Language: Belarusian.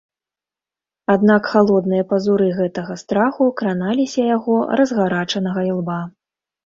Аднак халодныя пазуры гэтага страху краналіся яго разгарачанага ілба.